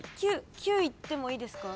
９いってもいいですか？